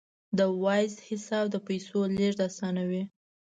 د وایز حساب د پیسو لیږد اسانوي.